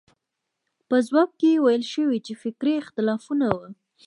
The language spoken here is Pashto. په ځواب کې ویل شوي چې فکري اختلافونه وو.